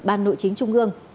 ban nội chính trung ương